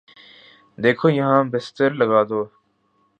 دیکھو یہاں بستر لگادو